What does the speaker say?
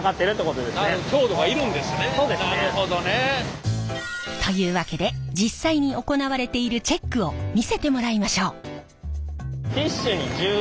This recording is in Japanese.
なるほどね。というわけで実際に行われているチェックを見せてもらいましょう。